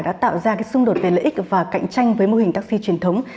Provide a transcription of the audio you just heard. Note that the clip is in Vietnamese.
đã tạo ra xung đột về lợi ích và cạnh tranh với mô hình taxi truyền thống